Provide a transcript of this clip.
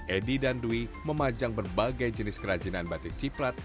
edi dan dwi memajang berbagai jenis kerajinan batik ciprat